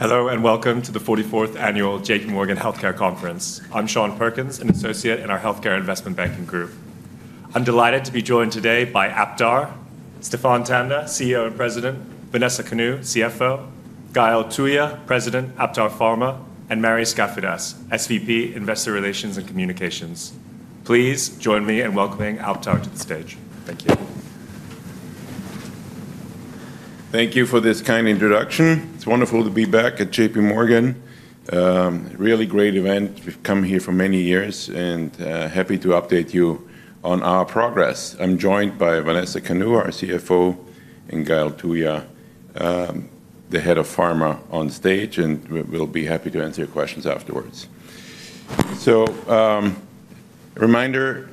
Hello and welcome to the 44th Annual JPMorgan Healthcare Conference. I'm Sean Perkins, an associate in our Healthcare Investment Banking Group. I'm delighted to be joined today by Aptar, Stephan Tanda, CEO and President, Vanessa Kanu, CFO, Gael Touya, President, Aptar Pharma, and Mary Skafidas, SVP, Investor Relations and Communications. Please join me in welcoming Aptar to the stage. Thank you. Thank you for this kind introduction. It's wonderful to be back at JPMorgan. Really great event. We've come here for many years, and happy to update you on our progress. I'm joined by Vanessa Kanu, our CFO, and Gael Touya, the head of Pharma, on stage, and we'll be happy to answer your questions afterwards. So, reminder,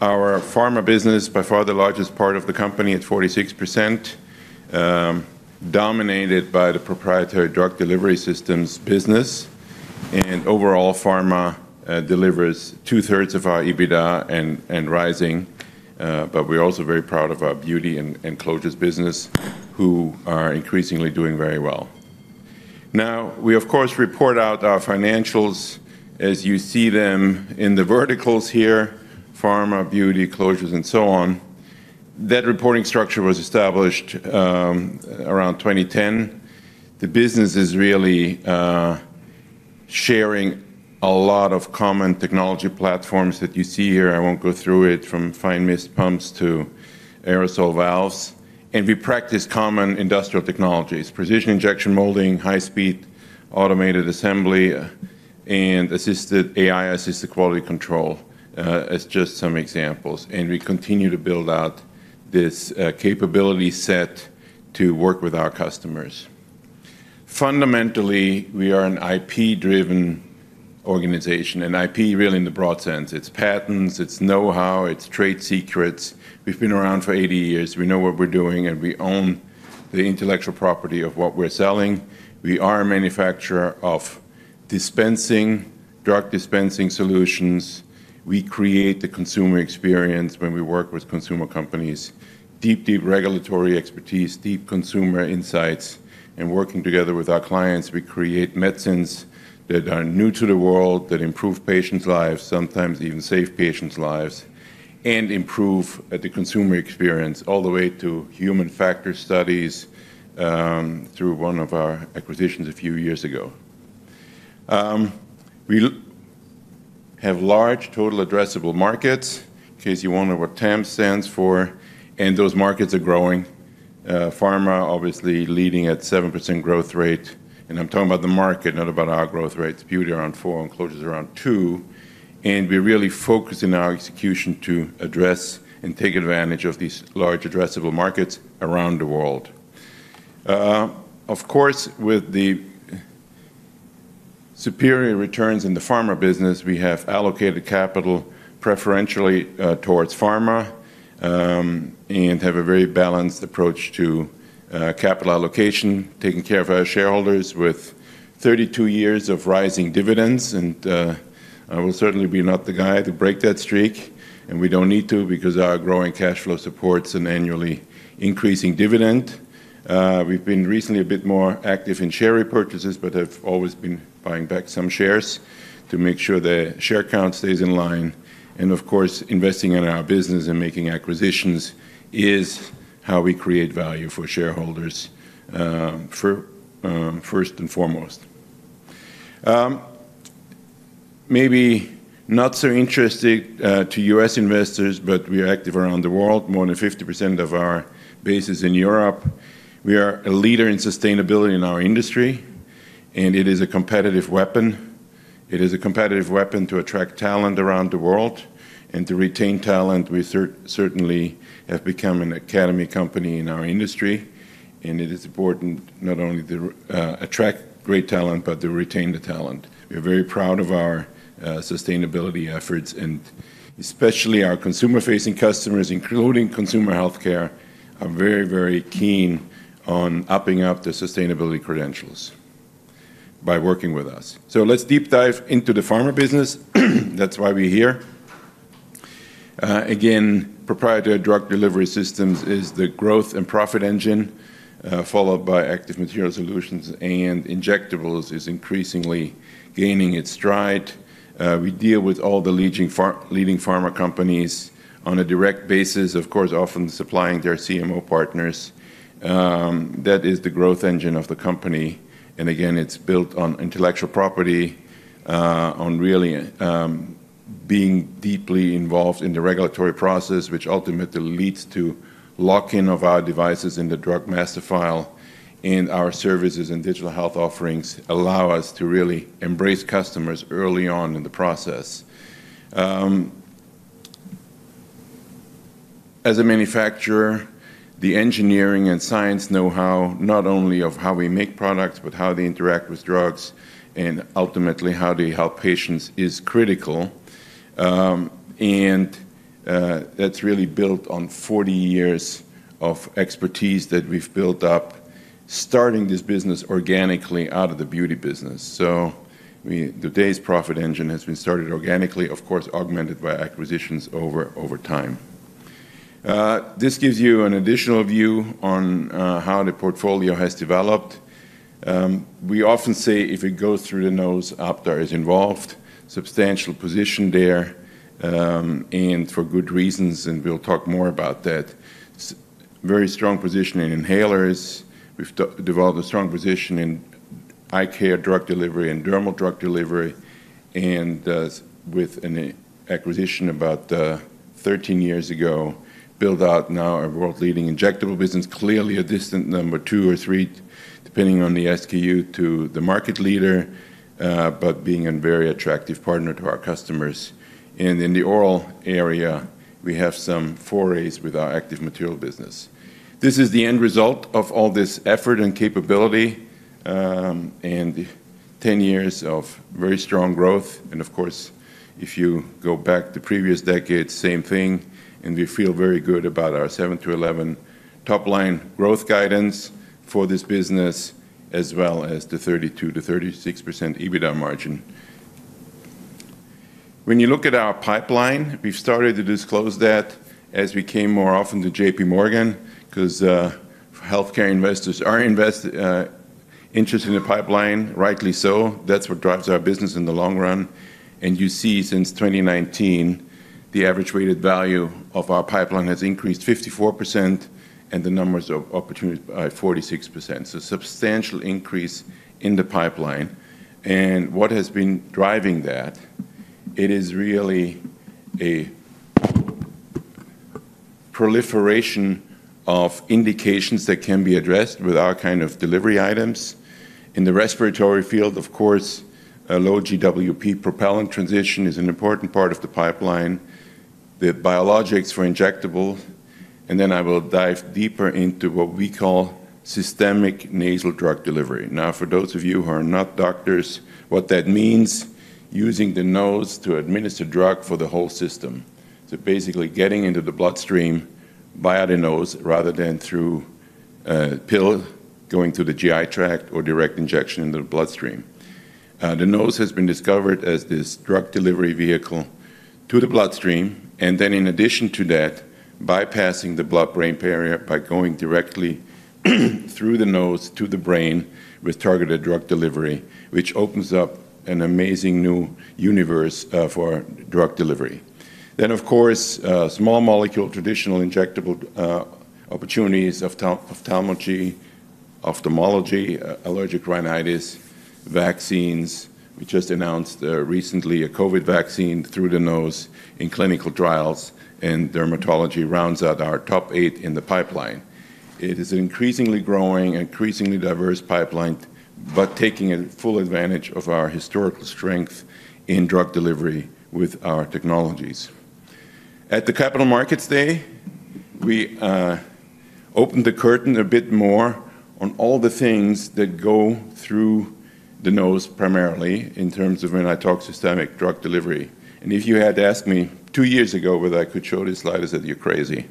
our Pharma business is by far the largest part of the company at 46%, dominated by the proprietary drug delivery systems business. And overall, Pharma delivers two-thirds of our EBITDA and rising. But we're also very proud of our Beauty and Closures business, who are increasingly doing very well. Now, we, of course, report out our financials, as you see them in the verticals here: Pharma, Beauty, Closures, and so on. That reporting structure was established around 2010. The business is really sharing a lot of common technology platforms that you see here. I won't go through it, from fine mist pumps to aerosol valves. We practice common industrial technologies: precision injection molding, high-speed automated assembly, and AI-assisted quality control, as just some examples. We continue to build out this capability set to work with our customers. Fundamentally, we are an IP-driven organization, and IP really in the broad sense. It's patents, it's know-how, it's trade secrets. We've been around for 80 years. We know what we're doing, and we own the intellectual property of what we're selling. We are a manufacturer of dispensing, drug dispensing solutions. We create the consumer experience when we work with consumer companies. Deep, deep regulatory expertise, deep consumer insights, and working together with our clients, we create medicines that are new to the world, that improve patients' lives, sometimes even save patients' lives, and improve the consumer experience, all the way to human factor studies through one of our acquisitions a few years ago. We have large total addressable markets, in case you wonder what TAM stands for, and those markets are growing. Pharma, obviously, leading at 7% growth rate, and I'm talking about the market, not about our growth rates. Beauty around four and closures around two, and we're really focused in our execution to address and take advantage of these large addressable markets around the world. Of course, with the superior returns in the pharma business, we have allocated capital preferentially towards pharma and have a very balanced approach to capital allocation, taking care of our shareholders with 32 years of rising dividends, and I will certainly be not the guy to break that streak, and we don't need to because our growing cash flow supports an annually increasing dividend. We've been recently a bit more active in share repurchases, but have always been buying back some shares to make sure the share count stays in line, and of course, investing in our business and making acquisitions is how we create value for shareholders, first and foremost. Maybe not so interesting to U.S. investors, but we are active around the world. More than 50% of our base is in Europe. We are a leader in sustainability in our industry, and it is a competitive weapon. It is a competitive weapon to attract talent around the world and to retain talent. We certainly have become an academy company in our industry, and it is important not only to attract great talent, but to retain the talent. We are very proud of our sustainability efforts, and especially our consumer-facing customers, including consumer healthcare, are very, very keen on upping their sustainability credentials by working with us, so let's deep dive into the pharma business. That's why we're here. Again, proprietary drug delivery systems is the growth and profit engine, followed by active material solutions, and injectables is increasingly gaining its stride. We deal with all the leading pharma companies on a direct basis, of course, often supplying their CMO partners. That is the growth engine of the company. And again, it's built on Intellectual Property, on really being deeply involved in the regulatory process, which ultimately leads to lock-in of our devices in the Drug Master File, and our services and digital health offerings allow us to really embrace customers early on in the process. As a manufacturer, the engineering and science know-how, not only of how we make products, but how they interact with drugs and ultimately how they help patients, is critical. And that's really built on 40 years of expertise that we've built up, starting this business organically out of the beauty business. So today's profit engine has been started organically, of course, augmented by acquisitions over time. This gives you an additional view on how the portfolio has developed. We often say if it goes through the nose, Aptar is involved, substantial position there, and for good reasons, and we'll talk more about that. Very strong position in inhalers. We've developed a strong position in eye care drug delivery and dermal drug delivery, and with an acquisition about 13 years ago, built out now a world-leading injectable business, clearly a distant number two or three, depending on the SKU, to the market leader, but being a very attractive partner to our customers, and in the oral area, we have some forays with our active material business. This is the end result of all this effort and capability and 10 years of very strong growth. Of course, if you go back to previous decades, same thing. We feel very good about our 7-11 top-line growth guidance for this business, as well as the 32%-36% EBITDA margin. When you look at our pipeline, we've started to disclose that as we came more often to JPMorgan because healthcare investors are interested in the pipeline, rightly so. That's what drives our business in the long run. And you see, since 2019, the average weighted value of our pipeline has increased 54%, and the numbers of opportunities by 46%. So substantial increase in the pipeline. And what has been driving that? It is really a proliferation of indications that can be addressed with our kind of delivery items. In the respiratory field, of course, low GWP propellant transition is an important part of the pipeline. The biologics for injectables. And then I will dive deeper into what we call systemic nasal drug delivery. Now, for those of you who are not doctors, what that means? Using the nose to administer drug for the whole system. So basically getting into the bloodstream via the nose rather than through a pill going through the GI tract or direct injection into the bloodstream. The nose has been discovered as this drug delivery vehicle to the bloodstream, and then in addition to that, bypassing the blood-brain barrier by going directly through the nose to the brain with targeted drug delivery, which opens up an amazing new universe for drug delivery. Then, of course, small molecule traditional injectable opportunities of ophthalmology, allergic rhinitis, vaccines. We just announced recently a COVID vaccine through the nose in clinical trials, and dermatology rounds out our top eight in the pipeline. It is an increasingly growing, increasingly diverse pipeline, but taking full advantage of our historical strength in drug delivery with our technologies. At the Capital Markets Day, we opened the curtain a bit more on all the things that go through the nose primarily in terms of when I talk systemic drug delivery, and if you had asked me two years ago whether I could show this slide, I said, "You're crazy,"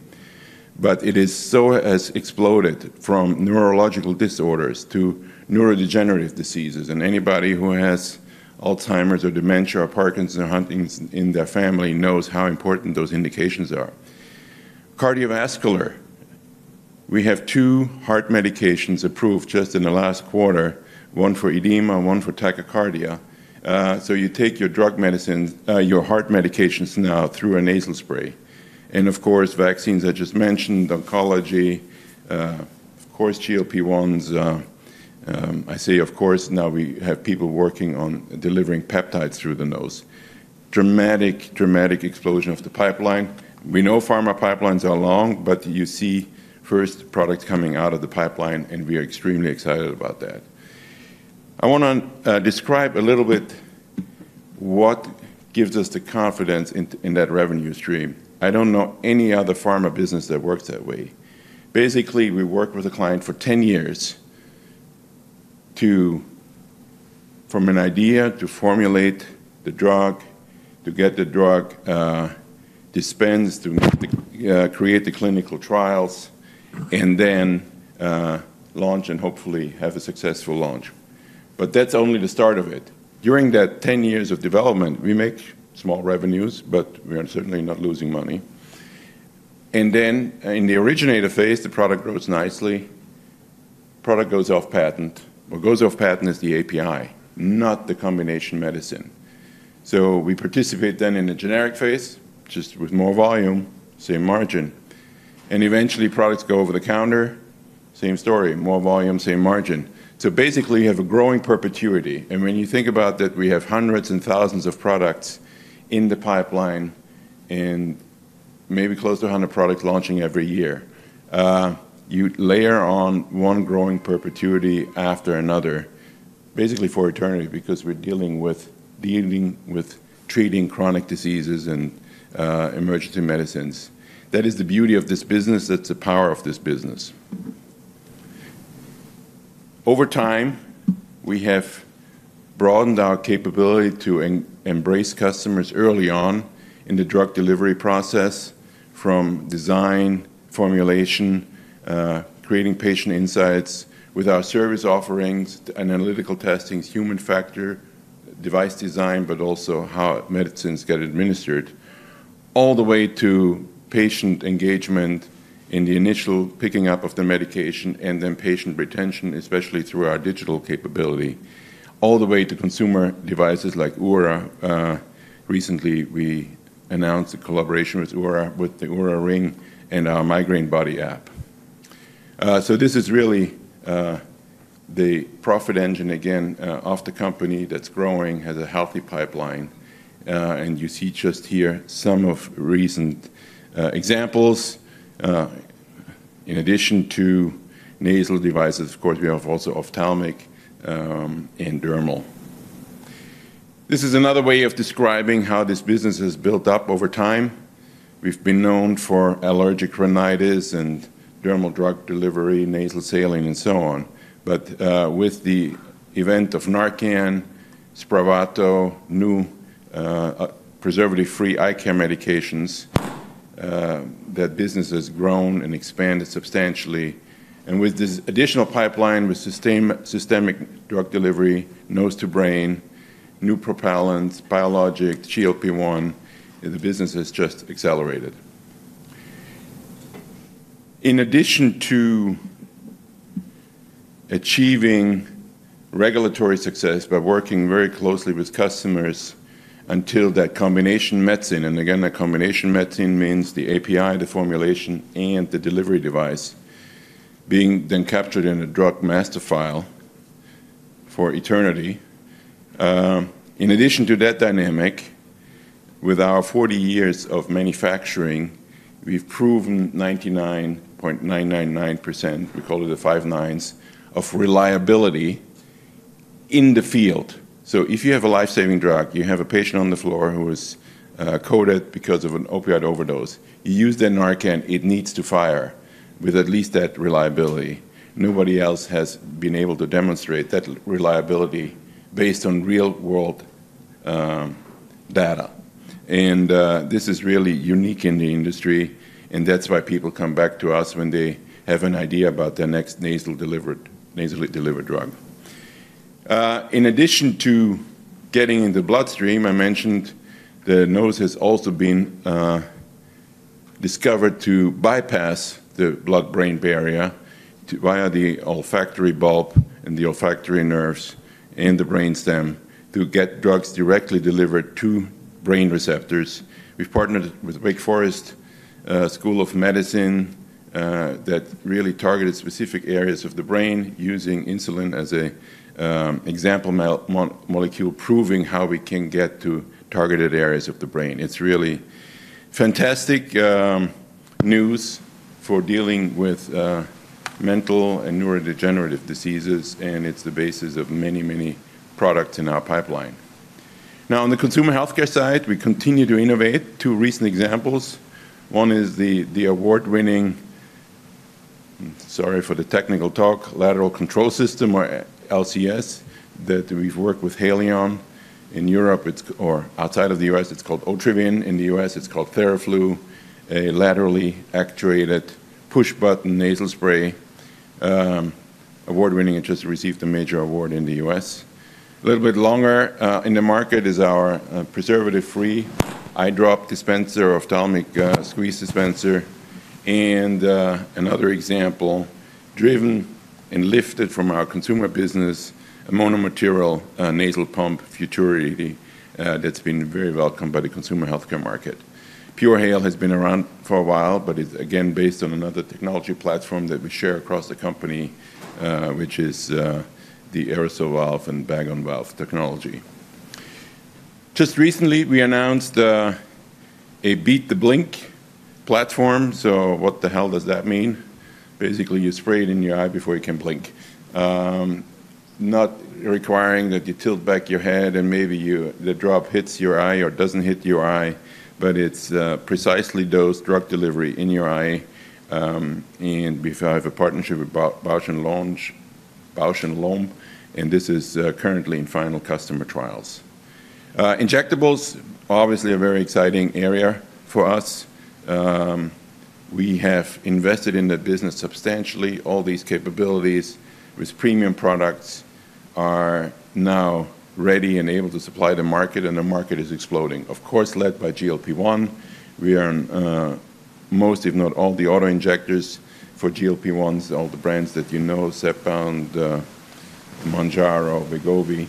but it has exploded from neurological disorders to neurodegenerative diseases, and anybody who has Alzheimer's or dementia or Parkinson's or Huntington's in their family knows how important those indications are. Cardiovascular, we have two heart medications approved just in the last quarter, one for edema, one for tachycardia, so you take your heart medications now through a nasal spray, and of course, vaccines I just mentioned, oncology, of course, GLP-1s. I say, of course, now we have people working on delivering peptides through the nose. Dramatic, dramatic explosion of the pipeline. We know pharma pipelines are long, but you see first products coming out of the pipeline, and we are extremely excited about that. I want to describe a little bit what gives us the confidence in that revenue stream. I don't know any other pharma business that works that way. Basically, we work with a client for 10 years from an idea to formulate the drug, to get the drug dispensed, to create the clinical trials, and then launch and hopefully have a successful launch. But that's only the start of it. During that 10 years of development, we make small revenues, but we are certainly not losing money. And then in the originator phase, the product grows nicely. Product goes off patent. What goes off patent is the API, not the combination medicine. So we participate then in the generic phase, just with more volume, same margin. Eventually, products go over the counter. Same story, more volume, same margin. Basically, you have a growing perpetuity. When you think about that, we have hundreds and thousands of products in the pipeline and maybe close to 100 products launching every year. You layer on one growing perpetuity after another, basically for eternity, because we're dealing with treating chronic diseases and emergency medicines. That is the beauty of this business. That's the power of this business. Over time, we have broadened our capability to embrace customers early on in the drug delivery process, from design, formulation, creating patient insights with our service offerings, analytical testings, human factor, device design, but also how medicines get administered, all the way to patient engagement in the initial picking up of the medication and then patient retention, especially through our digital capability, all the way to consumer devices like Oura. Recently, we announced a collaboration with Oura, with the Oura Ring and our Migraine Buddy app. This is really the profit engine, again, of the company that's growing, has a healthy pipeline, and you see just here some of recent examples. In addition to nasal devices, of course, we have also ophthalmic and dermal. This is another way of describing how this business has built up over time. We've been known for allergic rhinitis and dermal drug delivery, nasal saline, and so on. With the advent of Narcan, Spravato, new preservative-free eye care medications, that business has grown and expanded substantially. With this additional pipeline with systemic drug delivery, nose to brain, new propellants, biologics, GLP-1, the business has just accelerated. In addition to achieving regulatory success by working very closely with customers until that combination medicine, and again, that combination medicine means the API, the formulation, and the delivery device being then captured in a Drug Master File for eternity. In addition to that dynamic, with our 40 years of manufacturing, we've proven 99.999%, we call it the five nines, of reliability in the field. So if you have a lifesaving drug, you have a patient on the floor who is COVID because of an opioid overdose, you use the Narcan, it needs to fire with at least that reliability. Nobody else has been able to demonstrate that reliability based on real-world data. And this is really unique in the industry, and that's why people come back to us when they have an idea about their next nasally delivered drug. In addition to getting in the bloodstream, I mentioned the nose has also been discovered to bypass the blood-brain barrier via the olfactory bulb and the olfactory nerves and the brainstem to get drugs directly delivered to brain receptors. We've partnered with Wake Forest School of Medicine that really targeted specific areas of the brain using insulin as an example molecule, proving how we can get to targeted areas of the brain. It's really fantastic news for dealing with mental and neurodegenerative diseases, and it's the basis of many, many products in our pipeline. Now, on the consumer healthcare side, we continue to innovate. Two recent examples. One is the award-winning, sorry for the technical talk, Lateral Control System or LCS that we've worked with Haleon in Europe or outside of the US. It's called Otrivin. In the US, it's called Theraflu, a laterally actuated push-button nasal spray, award-winning. It just received a major award in the U.S. A little bit longer in the market is our preservative-free eye drop dispenser, ophthalmic squeeze dispenser. And another example driven and lifted from our consumer business, a monomaterial nasal pump Futurity that's been very welcomed by the consumer healthcare market. PureHale has been around for a while, but it's again based on another technology platform that we share across the company, which is the aerosol valve and bag-on-valve technology. Just recently, we announced a beat-the-blink platform. So what the hell does that mean? Basically, you spray it in your eye before you can blink. Not requiring that you tilt back your head and maybe the drop hits your eye or doesn't hit your eye, but it's precisely dosed drug delivery in your eye. And we have a partnership with Bausch + Lomb, and this is currently in final customer trials. Injectables, obviously, are a very exciting area for us. We have invested in that business substantially. All these capabilities with premium products are now ready and able to supply the market, and the market is exploding. Of course, led by GLP-1, we are most, if not all, the auto injectors for GLP-1s, all the brands that you know: Zepbound, Mounjaro, Wegovy,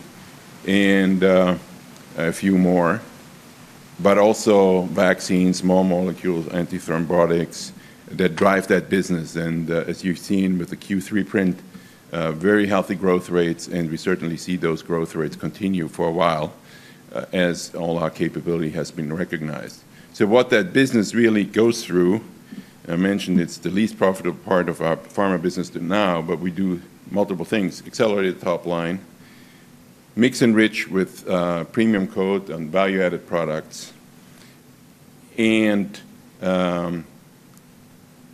and a few more. But also vaccines, small molecules, anti-thrombotics that drive that business. And as you've seen with the Q3 print, very healthy growth rates, and we certainly see those growth rates continue for a while as all our capability has been recognized. So what that business really goes through, I mentioned it's the least profitable part of our pharma business now, but we do multiple things: accelerate the top line, mix enrich with PremiumCoat and value-added products, and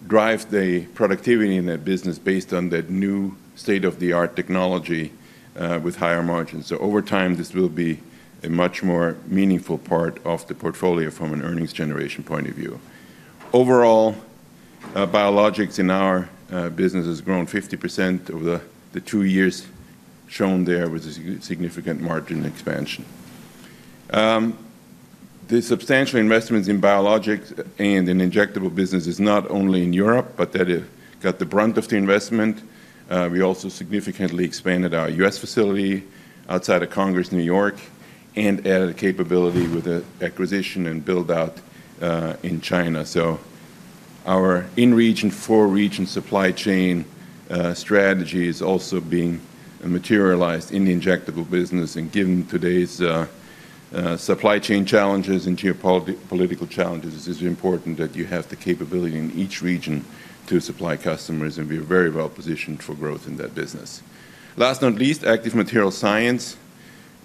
drive the productivity in that business based on that new state-of-the-art technology with higher margins. So over time, this will be a much more meaningful part of the portfolio from an earnings generation point of view. Overall, biologics in our business has grown 50% over the two years shown there with a significant margin expansion. The substantial investments in biologics and in injectable business is not only in Europe, but that got the brunt of the investment. We also significantly expanded our U.S. facility outside of Congers, New York, and added capability with an acquisition and build-out in China. So our in-region, four-region supply chain strategy is also being materialized in the injectable business and given today's supply chain challenges and geopolitical challenges. It is important that you have the capability in each region to supply customers, and we are very well positioned for growth in that business. Last but not least, active material science.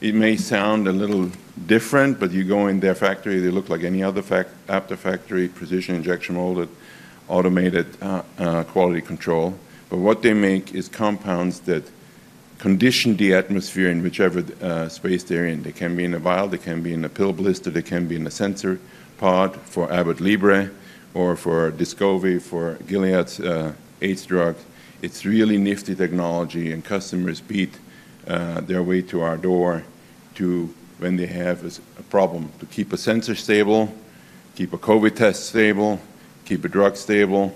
It may sound a little different, but you go in their factory, they look like any other factory precision injection molded, automated quality control. But what they make is compounds that condition the atmosphere in whichever space they're in. They can be in a vial, they can be in a pill blister, they can be in a sensor pod for Abbott Libre or for Descovy, for Gilead's ACE drug. It's really nifty technology, and customers beat their way to our door when they have a problem to keep a sensor stable, keep a COVID test stable, keep a drug stable,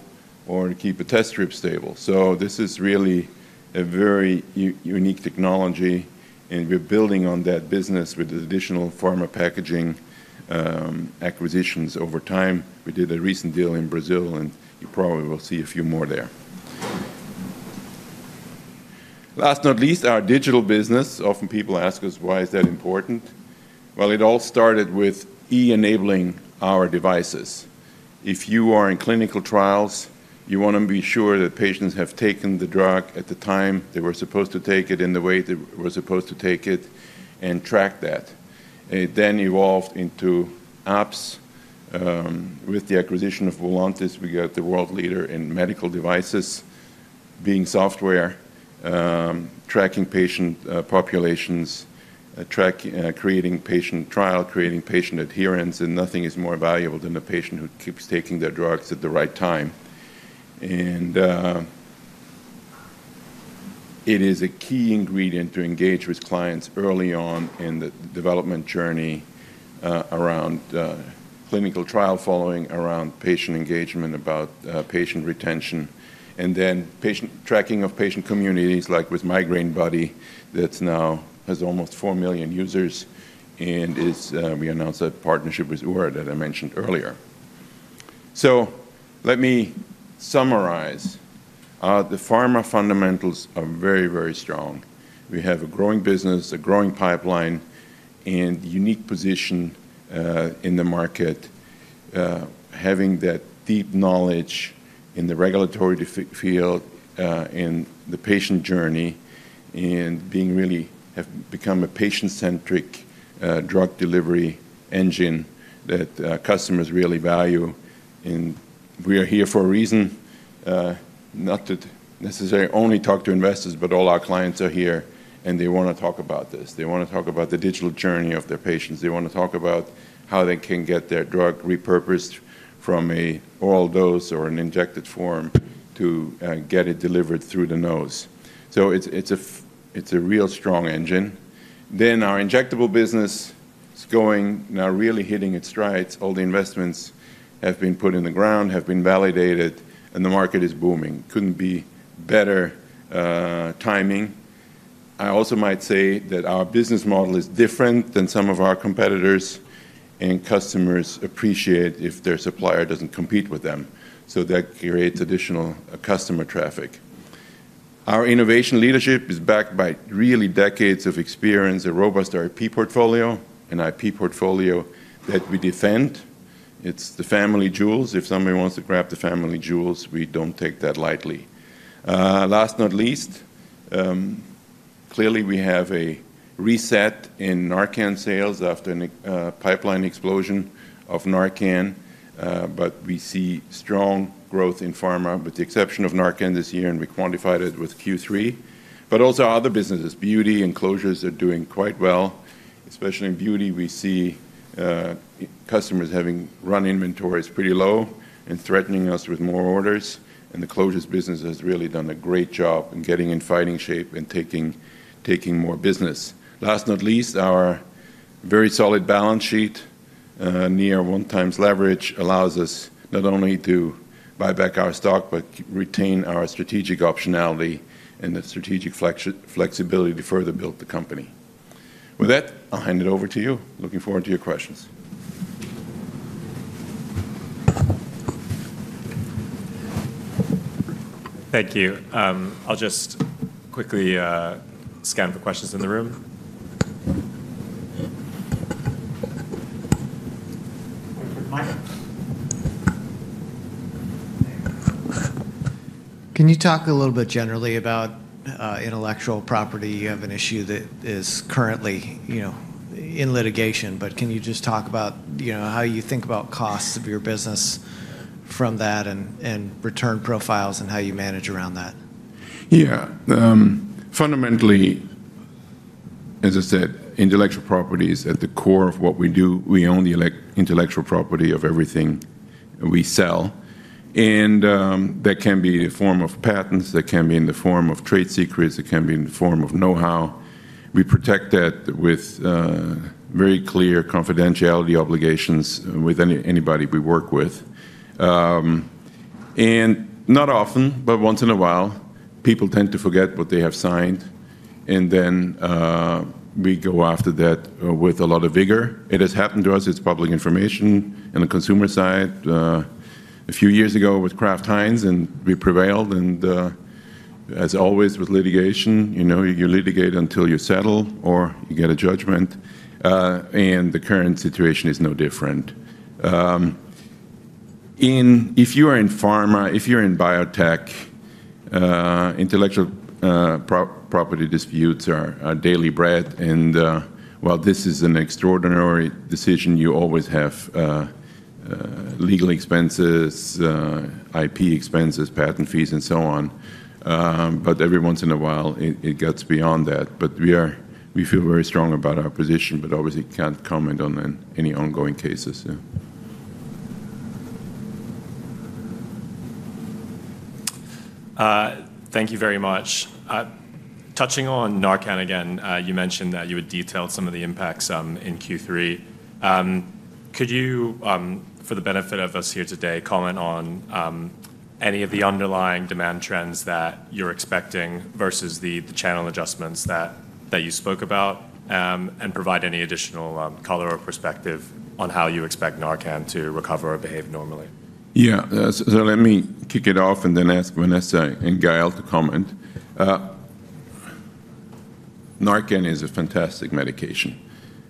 or keep a test strip stable. So this is really a very unique technology, and we're building on that business with additional pharma packaging acquisitions over time. We did a recent deal in Brazil, and you probably will see a few more there. Last but not least, our digital business. Often people ask us, "Why is that important?" Well, it all started with enabling our devices. If you are in clinical trials, you want to be sure that patients have taken the drug at the time they were supposed to take it, in the way they were supposed to take it, and track that. It then evolved into apps. With the acquisition of Volantis, we got the world leader in medical devices, being software, tracking patient populations, creating patient trial, creating patient adherence, and nothing is more valuable than a patient who keeps taking their drugs at the right time. And it is a key ingredient to engage with clients early on in the development journey around clinical trial following, around patient engagement, about patient retention, and then tracking of patient communities like with Migraine Buddy that now has almost four million users and is, we announced that partnership with Oura that I mentioned earlier. So let me summarize. The pharma fundamentals are very, very strong. We have a growing business, a growing pipeline, and unique position in the market, having that deep knowledge in the regulatory field, in the patient journey, and being really have become a patient-centric drug delivery engine that customers really value. And we are here for a reason, not to necessarily only talk to investors, but all our clients are here, and they want to talk about this. They want to talk about the digital journey of their patients. They want to talk about how they can get their drug repurposed from an oral dose or an injected form to get it delivered through the nose. So it's a real strong engine. Then our injectable business is going now really hitting its strides. All the investments have been put in the ground, have been validated, and the market is booming. Couldn't be better timing. I also might say that our business model is different than some of our competitors, and customers appreciate if their supplier doesn't compete with them. So that creates additional customer traffic. Our innovation leadership is backed by really decades of experience, a robust IP portfolio, an IP portfolio that we defend. It's the family jewels. If somebody wants to grab the family jewels, we don't take that lightly. Last but not least, clearly we have a reset in Narcan sales after a pipeline explosion of Narcan, but we see strong growth in pharma with the exception of Narcan this year, and we quantified it with Q3, but also other businesses, beauty and closures are doing quite well. Especially in beauty, we see customers having run inventories pretty low and threatening us with more orders, and the closures business has really done a great job in getting in fighting shape and taking more business. Last but not least, our very solid balance sheet, near one times leverage, allows us not only to buy back our stock but retain our strategic optionality and the strategic flexibility to further build the company. With that, I'll hand it over to you. Looking forward to your questions. Thank you. I'll just quickly scan for questions in the room. Can you talk a little bit generally about intellectual property? You have an issue that is currently in litigation, but can you just talk about how you think about costs of your business from that and return profiles and how you manage around that? Yeah. Fundamentally, as I said, intellectual property is at the core of what we do. We own the intellectual property of everything we sell, and that can be in the form of patents, that can be in the form of trade secrets, it can be in the form of know-how. We protect that with very clear confidentiality obligations with anybody we work with. And not often, but once in a while, people tend to forget what they have signed, and then we go after that with a lot of vigor. It has happened to us. It's public information on the consumer side. A few years ago with Kraft Heinz, and we prevailed. And as always with litigation, you litigate until you settle or you get a judgment, and the current situation is no different. If you are in pharma, if you're in biotech, intellectual property disputes are daily bread, and while this is an extraordinary decision, you always have legal expenses, IP expenses, patent fees, and so on. But every once in a while, it gets beyond that. But we feel very strong about our position, but obviously can't comment on any ongoing cases. Thank you very much. Touching on Narcan again, you mentioned that you had detailed some of the impacts in Q3. Could you, for the benefit of us here today, comment on any of the underlying demand trends that you're expecting versus the channel adjustments that you spoke about and provide any additional color or perspective on how you expect Narcan to recover or behave normally? Yeah, so let me kick it off and then ask Vanessa and Gael to comment. Narcan is a fantastic medication.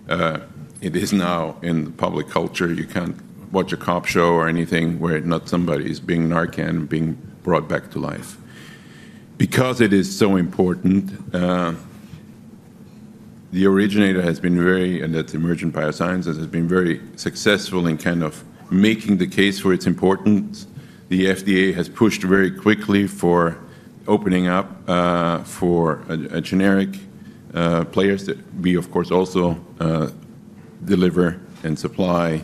It is now in the public culture. You can't watch a cop show or anything where not somebody is being Narcan and being brought back to life. Because it is so important, the originator has been very, and that's Emergent BioSolutions, has been very successful in kind of making the case for its importance. The FDA has pushed very quickly for opening up for generic players that we, of course, also deliver and supply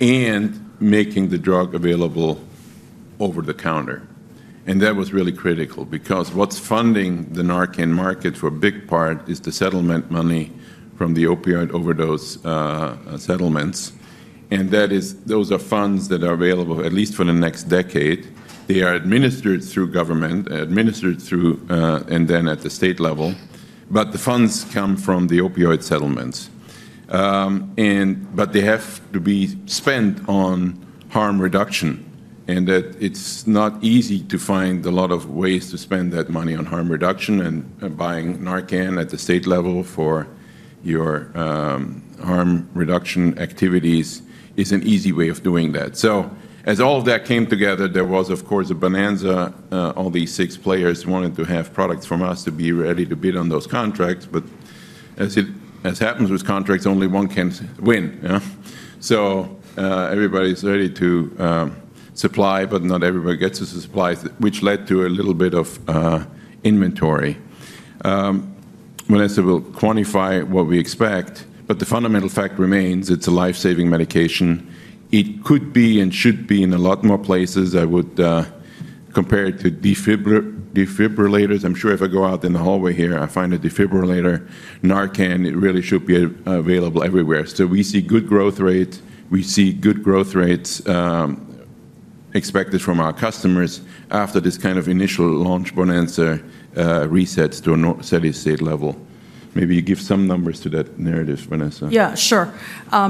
and making the drug available over the counter, and that was really critical because what's funding the Narcan market for a big part is the settlement money from the opioid overdose settlements, and those are funds that are available at least for the next decade. They are administered through government and then at the state level, but the funds come from the opioid settlements, but they have to be spent on harm reduction, and it's not easy to find a lot of ways to spend that money on harm reduction, and buying Narcan at the state level for your harm reduction activities is an easy way of doing that, so as all of that came together, there was, of course, a bonanza. All these six players wanted to have products from us to be ready to bid on those contracts, but as happens with contracts, only one can win, so everybody's ready to supply, but not everybody gets to supply, which led to a little bit of inventory. Vanessa will quantify what we expect, but the fundamental fact remains it's a lifesaving medication. It could be and should be in a lot more places. I would compare it to defibrillators. I'm sure if I go out in the hallway here, I find a defibrillator. Narcan, it really should be available everywhere, so we see good growth rates. We see good growth rates expected from our customers after this kind of initial launch bonanza resets to a steady state level. Maybe you give some numbers to that narrative, Vanessa. Yeah, sure.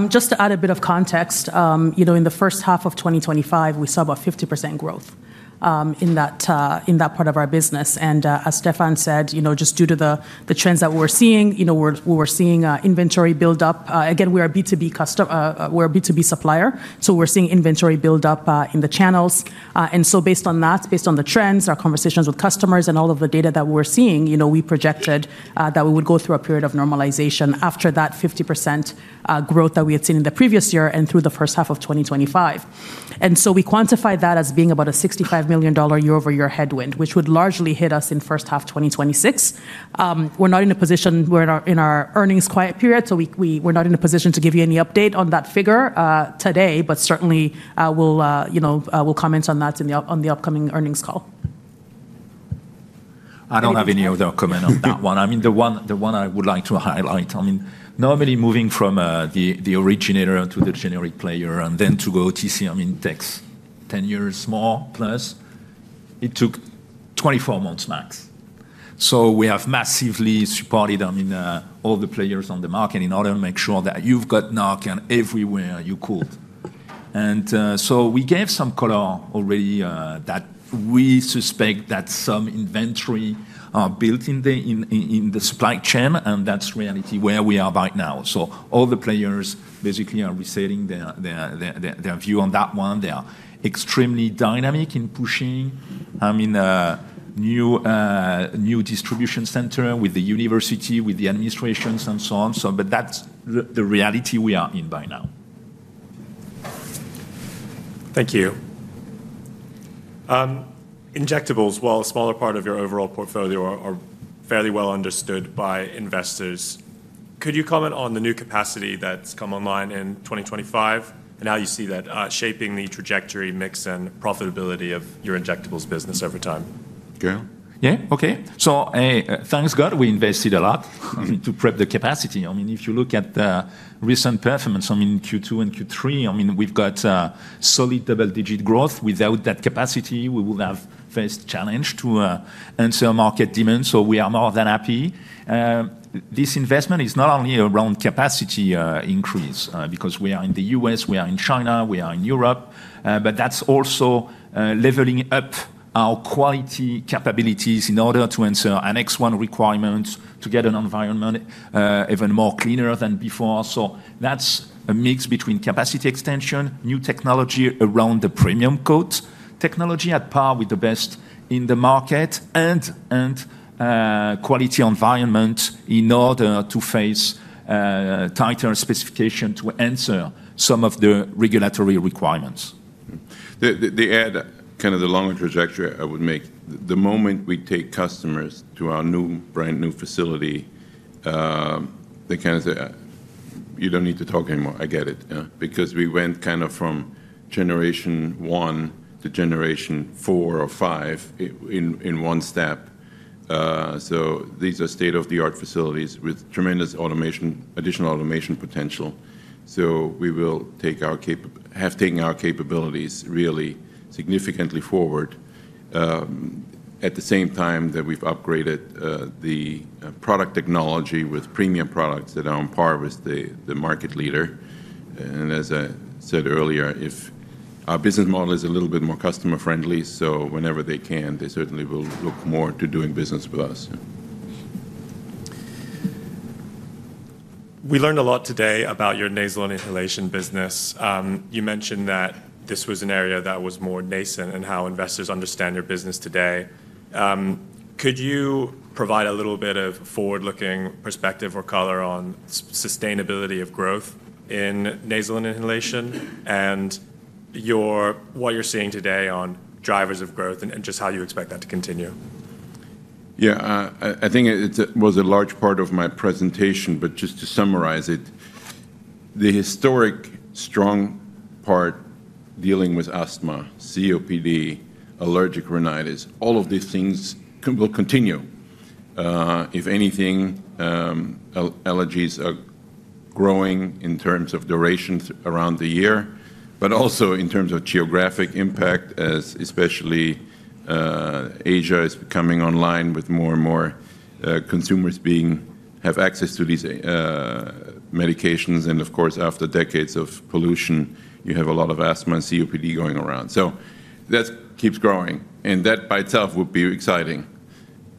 Just to add a bit of context, in the first half of 2025, we saw about 50% growth in that part of our business. And as Stephan said, just due to the trends that we're seeing, we were seeing inventory build-up. Again, we are a B2B supplier, so we're seeing inventory build-up in the channels. And so based on that, based on the trends, our conversations with customers, and all of the data that we're seeing, we projected that we would go through a period of normalization after that 50% growth that we had seen in the previous year and through the first half of 2025. And so we quantify that as being about a $65 million year-over-year headwind, which would largely hit us in first half 2026. We're not in a position, we're in our earnings quiet period, so we're not in a position to give you any update on that figure today, but certainly we'll comment on that on the upcoming earnings call. I don't have any other comment on that one. I mean, the one I would like to highlight, I mean, normally moving from the originator to the generic player and then to go TCM index 10 years more plus, it took 24 months max. So we have massively supported, I mean, all the players on the market in order to make sure that you've got Narcan everywhere you could. And so we gave some color already that we suspect that some inventory are built in the supply chain, and that's reality where we are right now. So all the players basically are resetting their view on that one. They are extremely dynamic in pushing, I mean, new distribution center with the university, with the administrations and so on. But that's the reality we are in by now. Thank you. Injectables, while a smaller part of your overall portfolio, are fairly well understood by investors. Could you comment on the new capacity that's come online in 2025 and how you see that shaping the trajectory, mix, and profitability of your injectables business over time? Gael? Yeah, okay. Thank God we invested a lot to prep the capacity. I mean, if you look at the recent performance, I mean, Q2 and Q3, I mean, we've got solid double-digit growth. Without that capacity, we will have faced challenge to answer market demand, so we are more than happy. This investment is not only around capacity increase because we are in the U.S., we are in China, we are in Europe, but that's also leveling up our quality capabilities in order to answer Annex 1 requirements to get an environment even more cleaner than before. So that's a mix between capacity extension, new technology around the PremiumCoat technology at par with the best in the market and quality environment in order to face tighter specification to answer some of the regulatory requirements. To add kind of the longer trajectory I would make, the moment we take customers to our new brand new facility, they kind of say, "You don't need to talk anymore. I get it," because we went kind of from generation one to generation four or five in one step, so these are state-of-the-art facilities with tremendous automation, additional automation potential, so we will take our capabilities really significantly forward at the same time that we've upgraded the product technology with premium products that are on par with the market leader, and as I said earlier, if our business model is a little bit more customer-friendly, so whenever they can, they certainly will look more to doing business with us. We learned a lot today about your nasal inhalation business. You mentioned that this was an area that was more nascent in how investors understand your business today. Could you provide a little bit of forward-looking perspective or color on sustainability of growth in nasal inhalation and what you're seeing today on drivers of growth and just how you expect that to continue? Yeah. I think it was a large part of my presentation, but just to summarize it, the historic strong part dealing with asthma, COPD, allergic rhinitis, all of these things will continue. If anything, allergies are growing in terms of durations around the year, but also in terms of geographic impact, especially Asia is coming online with more and more consumers being able to have access to these medications. And of course, after decades of pollution, you have a lot of asthma and COPD going around. So that keeps growing, and that by itself would be exciting.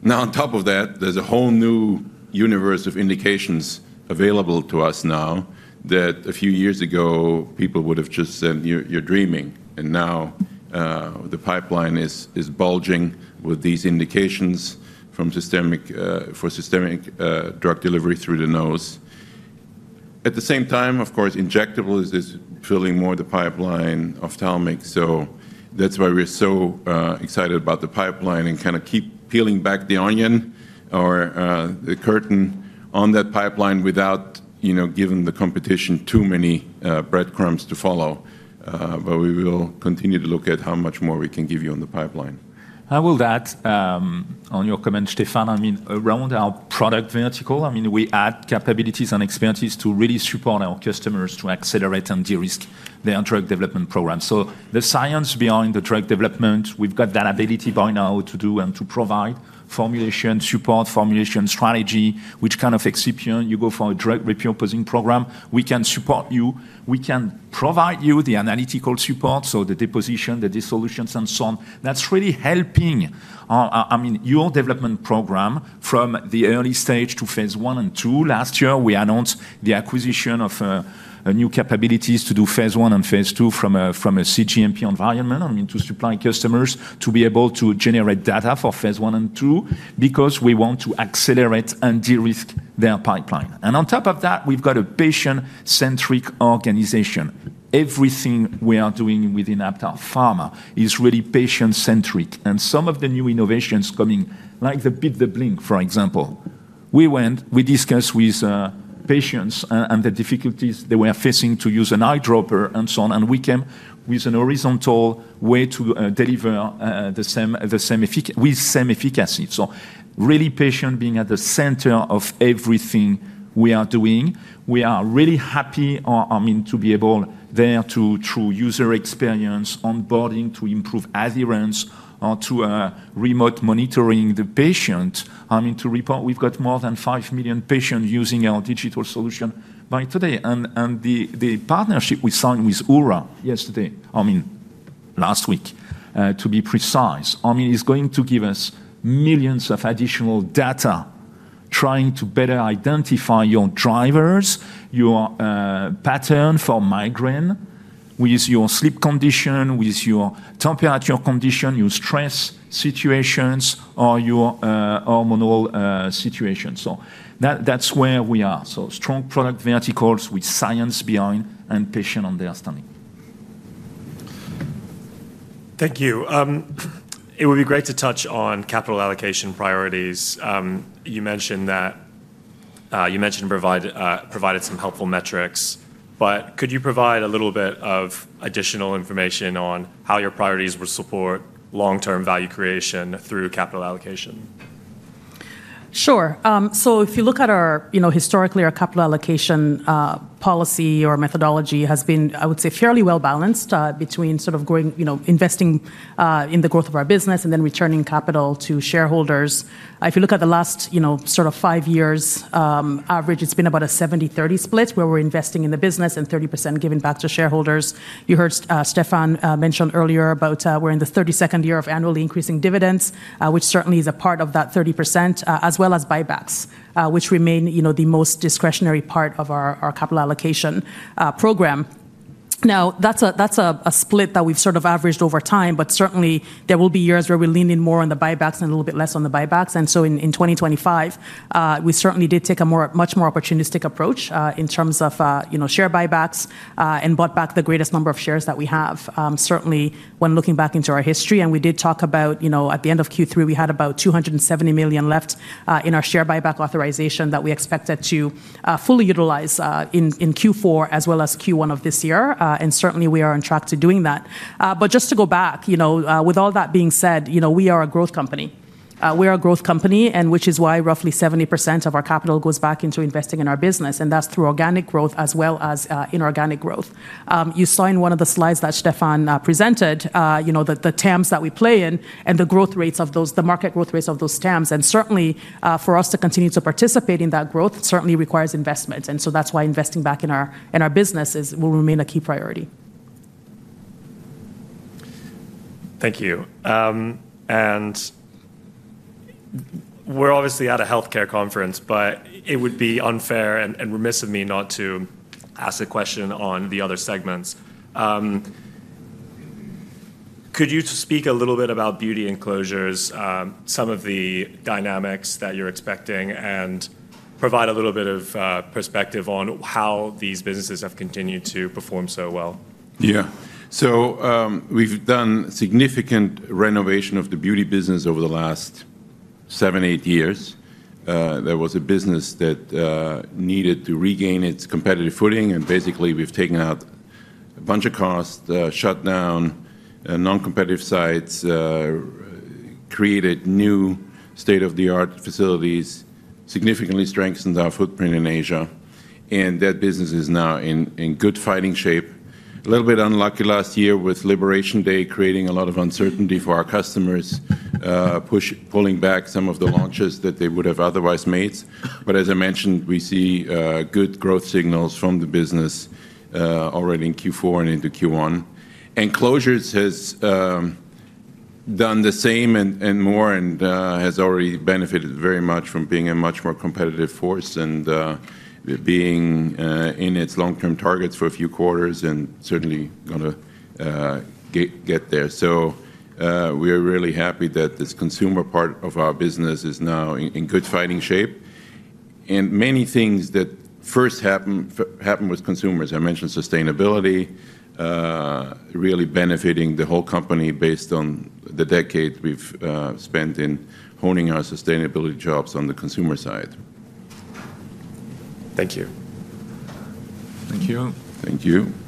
Now, on top of that, there's a whole new universe of indications available to us now that a few years ago, people would have just said, "You're dreaming." And now the pipeline is bulging with these indications for systemic drug delivery through the nose. At the same time, of course, injectables is filling more the pipeline ophthalmic. So that's why we're so excited about the pipeline and kind of keep peeling back the onion or the curtain on that pipeline without giving the competition too many breadcrumbs to follow. But we will continue to look at how much more we can give you on the pipeline. I will add on your comment, Stephan. I mean, around our product vertical, I mean, we add capabilities and expertise to really support our customers to accelerate and de-risk their drug development program. So the science behind the drug development, we've got that ability by now to do and to provide formulation support, formulation strategy, which kind of excipient you go for a drug repositioning program, we can support you. We can provide you the analytical support, so the deposition, the dissolutions, and so on. That's really helping, I mean, your development program from the early stage to phase one and two. Last year, we announced the acquisition of new capabilities to do phase one and two from a cGMP environment, I mean, to supply customers to be able to generate data for phase one and two because we want to accelerate and de-risk their pipeline. On top of that, we've got a patient-centric organization. Everything we are doing within Aptar Pharma is really patient-centric. Some of the new innovations coming, like the beat-the-blink, for example, we went, we discussed with patients and the difficulties they were facing to use an eyedropper and so on, and we came with a horizontal way to deliver the same efficacy. So really patient being at the center of everything we are doing. We are really happy, I mean, to be able to truly improve user experience, onboarding to improve adherence to remote monitoring the patient. I mean, today we've got more than five million patients using our digital solution by today. And the partnership we signed with Oura yesterday, I mean, last week, to be precise, I mean, is going to give us millions of additional data trying to better identify your drivers, your pattern for migraine with your sleep condition, with your temperature condition, your stress situations, or your hormonal situation. So that's where we are. So strong product verticals with science behind and patient understanding. Thank you. It would be great to touch on capital allocation priorities. You mentioned that you provided some helpful metrics, but could you provide a little bit of additional information on how your priorities will support long-term value creation through capital allocation? Sure. So if you look at our historically, our capital allocation policy or methodology has been, I would say, fairly well balanced between sort of investing in the growth of our business and then returning capital to shareholders. If you look at the last sort of five years, average, it's been about a 70%-30% split where we're investing in the business and 30% giving back to shareholders. You heard Stephan mention earlier about we're in the 32nd year of annually increasing dividends, which certainly is a part of that 30%, as well as buybacks, which remain the most discretionary part of our capital allocation program. Now, that's a split that we've sort of averaged over time, but certainly there will be years where we lean in more on the buybacks and a little bit less on the buybacks. And so in 2025, we certainly did take a much more opportunistic approach in terms of share buybacks and bought back the greatest number of shares that we have, certainly when looking back into our history. And we did talk about at the end of Q3, we had about 270 million left in our share buyback authorization that we expected to fully utilize in Q4 as well as Q1 of this year. And certainly, we are on track to doing that. But just to go back, with all that being said, we are a growth company. We are a growth company, which is why roughly 70% of our capital goes back into investing in our business, and that's through organic growth as well as inorganic growth. You saw in one of the slides that Stephan presented the TAMs that we play in and the growth rates of those, the market growth rates of those TAMs, and certainly, for us to continue to participate in that growth certainly requires investment, and so that's why investing back in our business will remain a key priority. Thank you. And we're obviously at a healthcare conference, but it would be unfair and remiss of me not to ask a question on the other segments. Could you speak a little bit about beauty enclosures, some of the dynamics that you're expecting, and provide a little bit of perspective on how these businesses have continued to perform so well? Yeah, so we've done significant renovation of the beauty business over the last seven, eight years. There was a business that needed to regain its competitive footing, and basically, we've taken out a bunch of costs, shut down non-competitive sites, created new state-of-the-art facilities, significantly strengthened our footprint in Asia, and that business is now in good fighting shape. A little bit unlucky last year with Liberation Day creating a lot of uncertainty for our customers, pulling back some of the launches that they would have otherwise made, but as I mentioned, we see good growth signals from the business already in Q4 and into Q1. Closures has done the same and more and has already benefited very much from being a much more competitive force and being in its long-term targets for a few quarters and certainly going to get there. So we are really happy that this consumer part of our business is now in good fighting shape. And many things that first happened with consumers, I mentioned sustainability, really benefiting the whole company based on the decade we've spent in honing our sustainability jobs on the consumer side. Thank you. Thank you. Thank you.